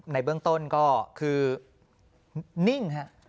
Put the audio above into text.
ในเบื้องต้นก็คือนิ่งฮะ